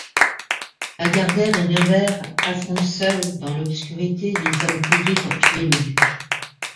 Lagardère et Nevers affrontent seuls, dans l'obscurité, les hommes payés pour tuer le duc.